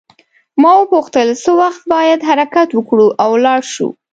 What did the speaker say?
ما وپوښتل څه وخت باید حرکت وکړو او ولاړ شو.